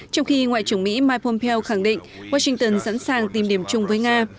trong khi ngoại trưởng mỹ mike pompeo khẳng định washington sẵn sàng tìm điểm chung với nga